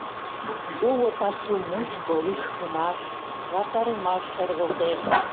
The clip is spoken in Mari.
Уло пасу мучко лӱшкымаш, васарымаш шергылтеш.